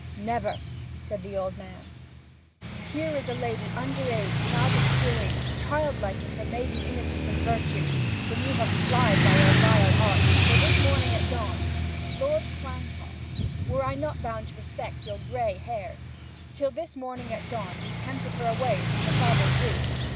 'Never!' said the old man. 'Here is a lady under age, without experience child like in her maiden innocence and virtue whom you have plied by your vile arts, till this morning at dawn ' 'Lord Quantock, were I not bound to respect your gray hairs ' 'Till this morning at dawn you tempted her away from her father's roof.